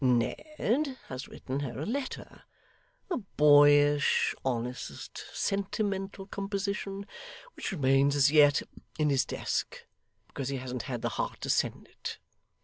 Ned has written her a letter a boyish, honest, sentimental composition, which remains as yet in his desk, because he hasn't had the heart to send it.